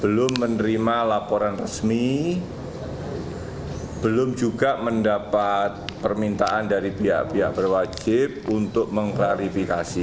belum menerima laporan resmi belum juga mendapat permintaan dari pihak pihak berwajib untuk mengklarifikasi